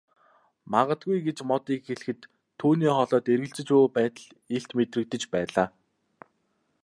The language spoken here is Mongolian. Магадгүй гэж Модыг хэлэхэд түүний хоолойд эргэлзэж буй байдал илт мэдрэгдэж байлаа.